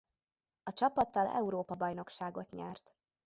A csapattal Európa-bajnokságot nyert.